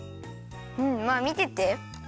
うんまあみてて。